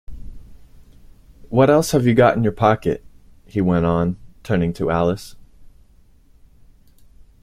‘What else have you got in your pocket?’ he went on, turning to Alice.